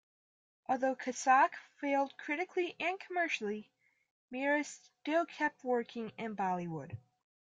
Although "Kasak" failed critically and commercially, Meera still kept working in Bollywood.